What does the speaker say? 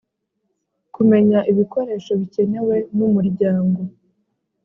kumenya ibikoresho bikenewe n umuryango